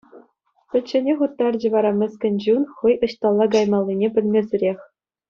Пӗчченех уттарчӗ вара мӗскӗн чун хӑй ӑҫталла каймаллине пӗлмесӗрех.